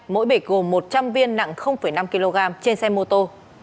mỗi bịch gồm một trăm linh viên nặng năm kg trên xe mô tô